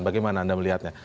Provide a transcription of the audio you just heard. bagaimana anda melihatnya